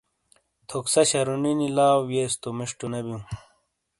تھوکسہ شَرُونِینی لاؤ وِئیس تو مِشٹو نے بِیوں۔